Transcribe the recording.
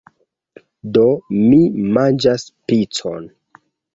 Do, mi manĝas picon!